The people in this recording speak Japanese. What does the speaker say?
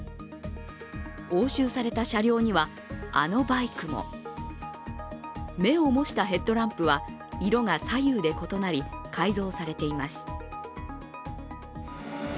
押収された車両には、あのバイクも目をもしたヘッドランプは色が左右で異なり、改造されています。